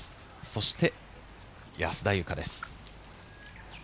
そして安田祐香です。